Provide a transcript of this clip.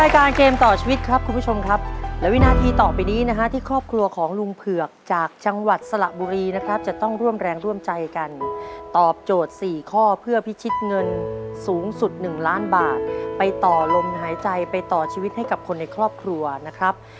เกมต่อชีวิตครับคุณผู้ชมครับและวินาทีต่อไปนี้นะฮะที่ครอบครัวของลุงเผือกจากจังหวัดสระบุรีนะครับจะต้องร่วมแรงร่วมใจกันตอบโจทย์๔ข้อเพื่อพิชิตเงินสูงสุด๑ล้านบาทไปต่อลมหายใจไปต่อชีวิตให้กับคนในครอบครัวนะครับ